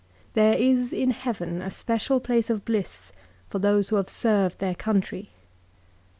There is in heaven a special place of bliss for those who have served their country.